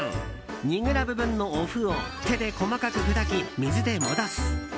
２ｇ分のお麩を手で細かく砕き水で戻す。